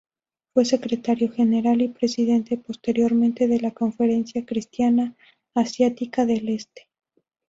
Fue secretario general y presidente posteriormente de la Conferencia cristiana asiática del Este.